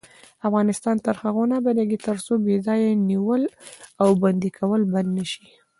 افغانستان تر هغو نه ابادیږي، ترڅو بې ځایه نیول او بندي کول بند نشي.